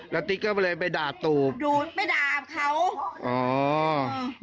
แล้วติ๊กก็เลยไปด่าตูบดูดไปด่าเขาอ๋อ